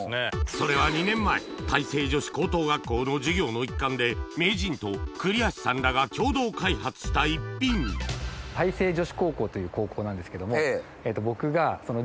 それは２年前大成女子高等学校の授業の一環で名人と栗橋さんらが共同開発した１品僕が。